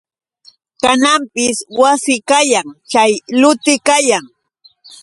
Kananpis wasi kayan chay luti kayan.